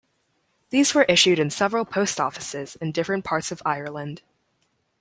These were issued in several post offices in different parts of Ireland.